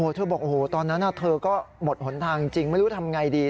เธอบอกโอ้โหตอนนั้นเธอก็หมดหนทางจริงไม่รู้ทำไงดี